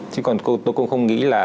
chứ còn tôi cũng không nghĩ là